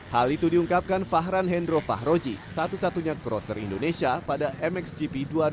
hal itu diungkapkan fahran hendro fahroji satu satunya crosser indonesia pada mxgp dua ribu dua puluh